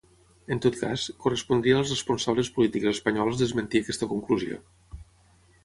En tot cas, correspondria als responsables polítics espanyols desmentir aquesta conclusió